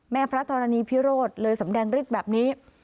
แม่พระธรณีพิโรธเลยสำแดงฤทธิ์แบบนี้